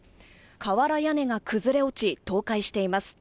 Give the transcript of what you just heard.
瓦屋根が崩れ落ち、倒壊しています。